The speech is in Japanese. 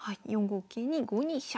４五桂に５二飛車。